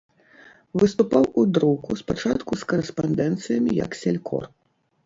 Выступаў у друку спачатку з карэспандэнцыямі як селькор.